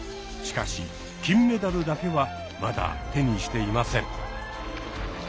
しかし金メダルだけはまだ手にしていません。